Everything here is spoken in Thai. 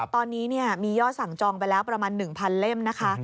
ตอนนี้มียอดสั่งจองไปแล้วประมาณ๑๐๐เล่มนะคะ